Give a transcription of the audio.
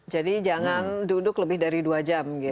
jadi jangan duduk lebih dari dua jam gitu